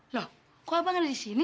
loh kok abang ada disini